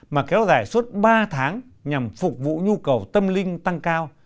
mà kéo dài suốt ba tháng nhằm phục vụ nhu cầu tâm linh tăng cao